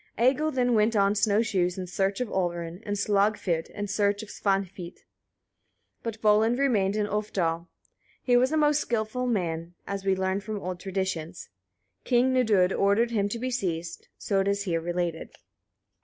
Egil then went on snow shoes in search of Olrun, and Slagfid in search of Svanhvit, but Volund remained in Ulfdal. He was a most skilful man, as we learn from old traditions. King Nidud ordered him to be seized, so as it is here related.